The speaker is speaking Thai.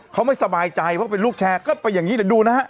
เขาไม่สบายใจเพราะเป็นลูกแชร์ก็ไปอย่างนี้เดี๋ยวดูนะฮะ